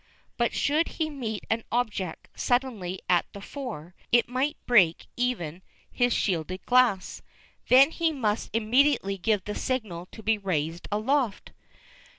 But should he meet an object suddenly at the fore, it might break even his shielded glass. Then he must immediately give the signal to be raised aloft.